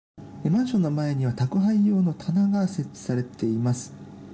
マンションの前には宅配用の棚が設置されています。